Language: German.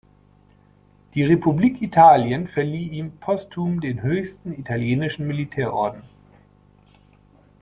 Die Republik Italien verlieh ihm postum den höchsten italienischen Militärorden.